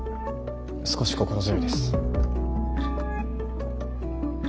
少し心強いです。